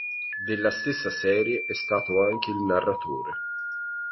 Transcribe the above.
Della stessa serie è stato anche il narratore.